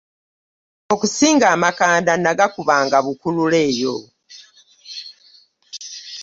Okusinga amakanda nagakubanga Bukulula eyo.